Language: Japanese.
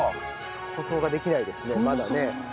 想像ができないですねまだね。